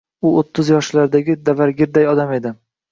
U o`ttiz yoshlardagi davangirday odam edi